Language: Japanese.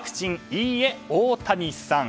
いいえ大谷さん」。